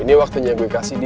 ini waktunya gue kasih di